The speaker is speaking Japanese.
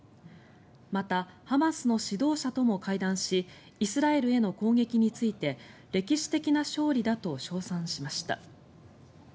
また、ハマスの指導者とも会談しイスラエルへの攻撃について歴史的な勝利だと称賛しました。